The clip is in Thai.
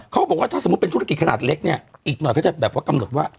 เขาบอกว่าถ้าสมมุติเป็นธุรกิจขนาดเล็กเนี่ยอีกหน่อยเขาจะแบบว่ากำหนดว่า